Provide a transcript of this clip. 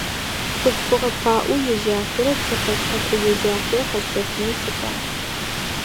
Хъулъфыгъэ паӏо ежьашъорэ цокъэ шъхьэко ежьашъорэ къэсщэфынэу сыфай.